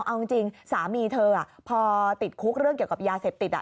เอาจริงสามีเธอพอติดคุกเรื่องเกี่ยวกับยาเสพติด